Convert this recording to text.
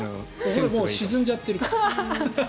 これはもう沈んじゃってるから。